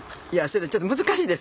ちょっと難しいです。